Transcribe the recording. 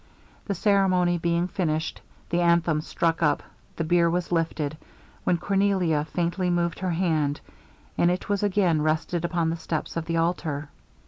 The ceremony being finished, the anthem struck up; the bier was lifted, when Cornelia faintly moved her hand, and it was again rested upon the steps of the altar.